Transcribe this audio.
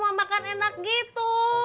kamu makan enak gitu